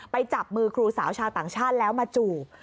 จับมือครูสาวชาวต่างชาติแล้วมาจูบ